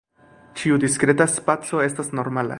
Ĉiu diskreta spaco estas normala.